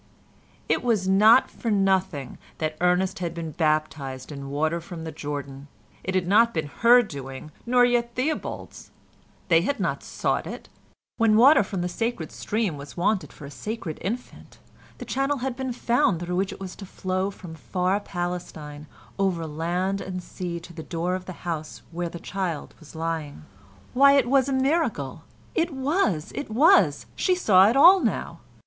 It was not for nothing that Ernest had been baptised in water from the Jordan. It had not been her doing, nor yet Theobald's. They had not sought it. When water from the sacred stream was wanted for a sacred infant, the channel had been found through which it was to flow from far Palestine over land and sea to the door of the house where the child was lying. Why, it was a miracle! It was! It was! She saw it all now.